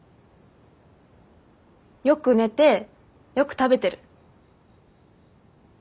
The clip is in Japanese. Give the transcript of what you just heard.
よく寝てよく食べてる。